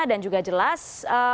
dan juga jelas